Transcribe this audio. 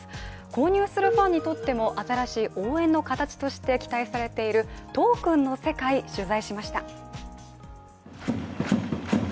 購入するファンにとっても新しい応援の形として期待されているトークンの世界、取材しました。